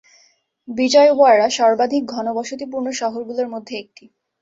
বিজয়ওয়াড়া সর্বাধিক ঘনবসতিপূর্ণ শহরগুলির মধ্যে একটি।